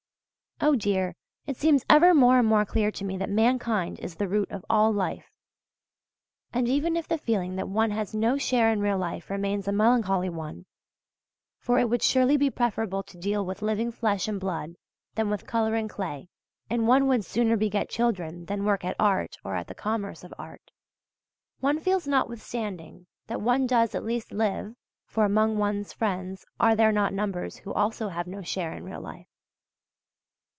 Oh dear! It seems ever more and more clear to me that mankind is the root of all life. And even if the feeling that one has no share in real life remains a melancholy one (for it would surely be preferable to deal with living flesh and blood than with colour and clay, and one would sooner beget children than work at art or at the commerce of art), one feels notwithstanding that one does at least live, for among one's friends are there not numbers who also have no share in real life?